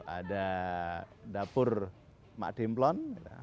ada dapur mak dimplon